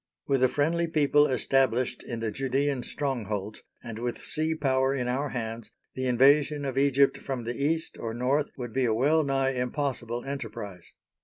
With a friendly people established in the Judæan strongholds, and with sea power in our hands, the invasion of Egypt from the East or North would be a well nigh impossible enterprise.